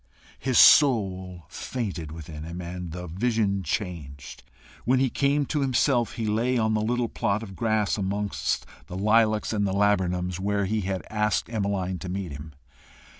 His soul fainted within him, and the vision changed. When he came to himself, he lay on the little plot of grass amongst the lilacs and laburnums where he had asked Emmeline to meet him.